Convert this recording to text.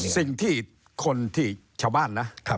สิ่งที่คนที่ชาวบ้านนะ